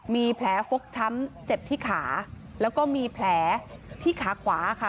มีแผลฟกช้ำเจ็บที่ขาแล้วก็มีแผลที่ขาขวาค่ะ